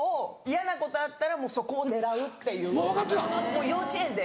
もう幼稚園で。